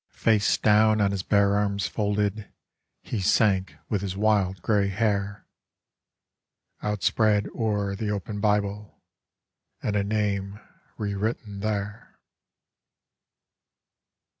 Face down on his bare arms folded he sank with his wild grey hair Outspread o'er the open Bible and a name re written there.